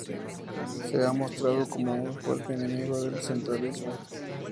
Se ha mostrado como un fuerte enemigo del centralismo.